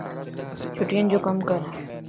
چھڻين جو ڪم ڪر